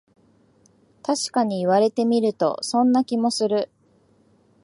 たしかに言われてみると、そんな気もする